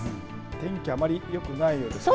天気、あまり良くないですね。